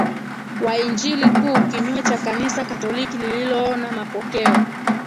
wa Injili tu kinyume cha Kanisa Katoliki lililoona mapokeo